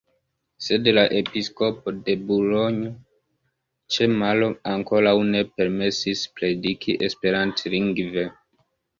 Sed la episkopo de Bulonjo ĉe Maro ankoraŭ ne permesis prediki esperantlingve.